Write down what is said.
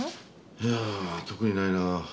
いや特にないな。